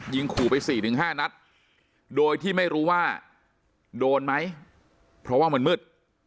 ขู่ไป๔๕นัดโดยที่ไม่รู้ว่าโดนไหมเพราะว่ามันมืด